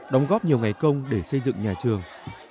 đóng góp nhiều ngày công để xây dựng nhà trường